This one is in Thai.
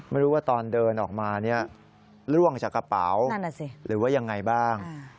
ไม่รู้ว่าตอนเดินออกมาล่วงจากกระเป๋าหรือว่ายังไงบ้าง